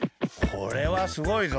これはすごいぞ。